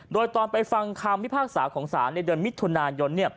โดยตอนไปฟังคำพิพากษาของศาลในเดือนมิถุนายน